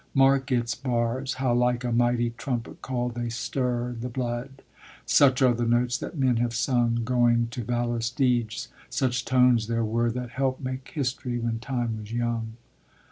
Mark its bars, How like a mighty trumpet call they stir The blood. Such are the notes that men have sung Going to valorous deeds; such tones there were That helped make history when Time was young.